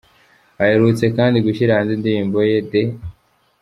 Aherutse kandi gushyira hanze indirimbo ‘The